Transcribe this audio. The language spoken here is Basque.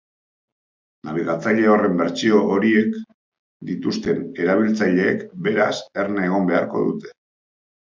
Nabigatzaile horren bertsio horiek dituzten erabiltzaileek, beraz, erne egon beharko dute.